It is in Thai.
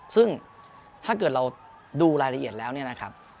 ซึ่งถ้าเกิดเราดูรายละเอียดแล้วเนี่ยนะครับ